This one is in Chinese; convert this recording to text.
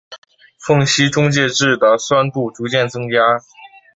缝隙中介质的酸度逐渐增加。